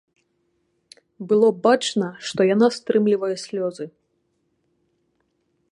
Было бачна, што яна стрымлівае слёзы.